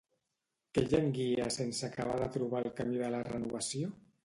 Què llanguia sense acabar de trobar el camí de la renovació?